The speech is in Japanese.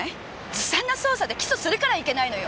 ずさんな捜査で起訴するからいけないのよ！